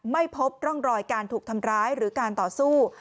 ไม่พบร่องรอยการถูกทำร้ายหรือการต่อสู้